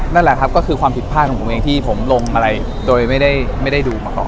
นั่นแหละครับก็คือความผิดพลาดของผมเองที่ผมลงอะไรโดยไม่ได้ดูมาก่อน